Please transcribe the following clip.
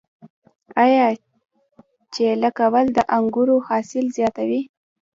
آیا چیله کول د انګورو حاصل زیاتوي؟